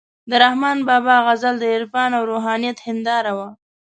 د رحمان بابا غزل د عرفان او روحانیت هنداره وه،